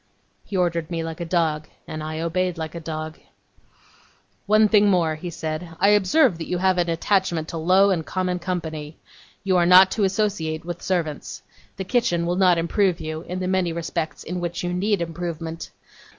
He ordered me like a dog, and I obeyed like a dog. 'One thing more,' he said. 'I observe that you have an attachment to low and common company. You are not to associate with servants. The kitchen will not improve you, in the many respects in which you need improvement.